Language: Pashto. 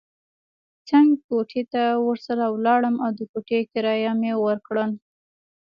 څنګ کوټې ته ورسره ولاړم او د کوټې کرایه مې ورکړل.